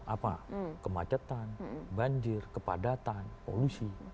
apa kemacetan banjir kepadatan polusi